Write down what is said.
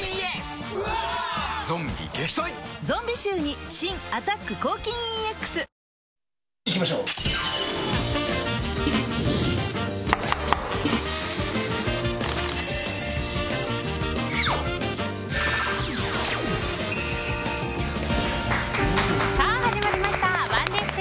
ゾンビ臭に新「アタック抗菌ＥＸ」さあ始まりましたＯｎｅＤｉｓｈ。